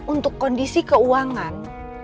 untuk kondisi keuangan